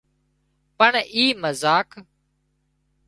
پڻ اي مزاق